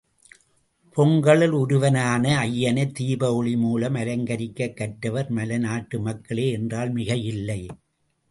பொங்கழல் உருவனான அய்யனை, தீப ஒளி மூலம் அலங்கரிக்கக் கற்றவர் மலைநாட்டு மக்களே என்றால் மிகையில்லை.